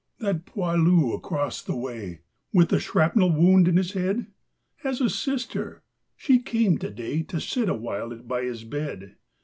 That 'poilu' across the way, With the shrapnel wound in his head, Has a sister: she came to day To sit awhile by his bed.